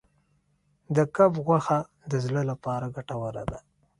د کب غوښه د زړه لپاره ګټوره ده.